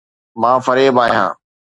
مان فريب آهيان